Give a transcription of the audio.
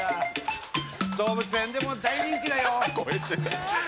動物園でも大人気だよ。